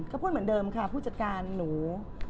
ก็พูดเหมือนเดิมค่ะผู้จัดการหนู